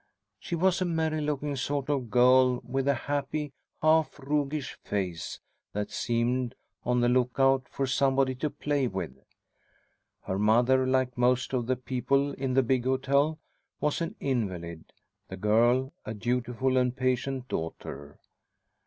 She was a merry looking sort of girl, with a happy, half roguish face that seemed on the lookout for somebody to play with. Her mother, like most of the people in the big hotel, was an invalid; the girl, a dutiful and patient daughter.